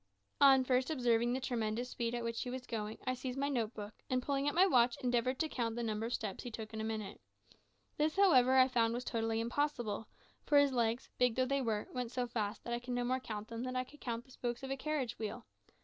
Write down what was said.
On first observing the tremendous speed at which he was going, I seized my note book, and pulling out my watch, endeavoured to count the number of steps he took in a minute. This, however, I found was totally impossible; for his legs, big though they were, went so fast that I could no more count them than I could count the spokes of a carriage wheel.